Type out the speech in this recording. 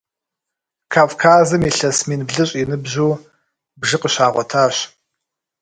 Кавказым илъэс мин блыщӏ и ныбжьу бжы къыщагъуэтащ.